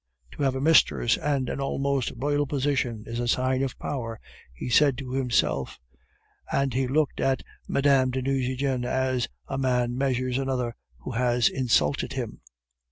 "To have a mistress and an almost royal position is a sign of power," he said to himself. And he looked at Mme. de Nucingen as a man measures another who has insulted him.